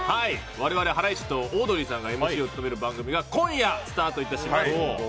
我々ハライチとオードリーさんがＭＣを務める番組が今夜スタートいたします。